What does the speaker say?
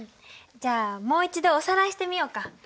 じゃあもう一度おさらいしてみようか。